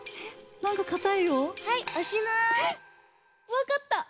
わかった！